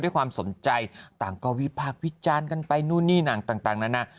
ความสนใจต่างก็วิพากษ์วิจารณ์กันไปนู่นนี่ต่างนานา